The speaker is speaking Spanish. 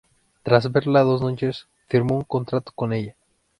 Tras verla dos noches, firmó un contrato con ella.